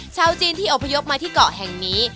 ชาวจีนที่อพยพมาที่เกาะแห่งนี้